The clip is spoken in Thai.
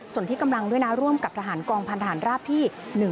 ส่วนที่กำลังด้วยนะร่วมกับทหารกองพันธานราบที่๑